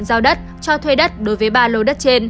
giao đất cho thuê đất đối với ba lô đất trên